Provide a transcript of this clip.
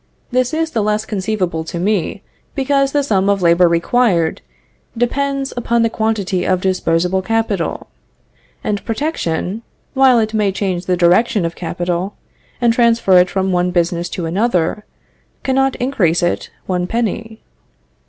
This is the less conceivable to me, because the sum of labor required depends upon the quantity of disposable capital; and protection, while it may change the direction of capital, and transfer it from one business to another, cannot increase it one penny.